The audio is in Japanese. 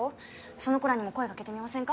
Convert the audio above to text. その子らにも声かけてみませんか？